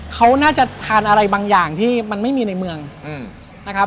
เขาน่าจะทานอะไรบางอย่างที่มันไม่มีในเมืองนะครับ